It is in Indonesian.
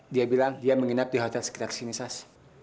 dia bilang dia menginap di hotel sekitar sini sas